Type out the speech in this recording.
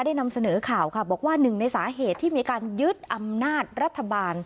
นำเสนอข่าวค่ะบอกว่าหนึ่งในสาเหตุที่มีการยึดอำนาจรัฐบาล